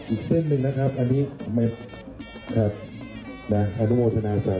อีกเส้นหนึ่งนะครับอันนี้ชาติอันโนโมชนาศาสตร์